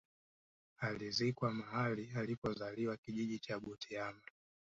Alizikwa mahali alipo zaliwa kijiji cha Butiama